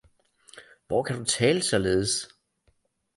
Hvor kan du tale således